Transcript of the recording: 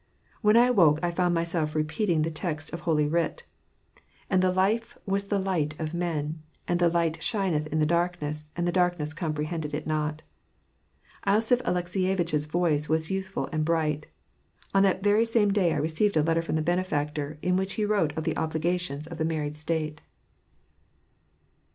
When I awoke, I found myiM^lf repeating the text of Holy Writ: And the life was the li<;ht of men, and the light shineth in darkness, and the darkness comprehended it not." losiph Alekseyevitch's face was youthful and bright. On that very same day I received a letter from the Benefactor, in which he wrote <^ the obligations of the married state.